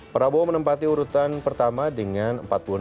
prabowo menempati urutan pertama dengan empat puluh enam